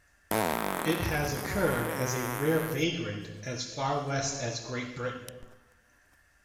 It has occurred as a rare vagrant as far west as Great Britain.